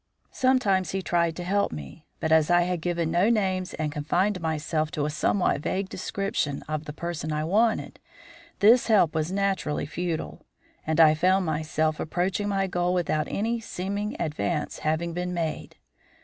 Sometimes he tried to help me; but as I had given no names and confined myself to a somewhat vague description of the person I wanted, this help was naturally futile, and I found myself approaching my goal without any seeming advance having been made.